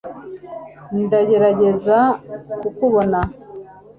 ndagerageza kukubona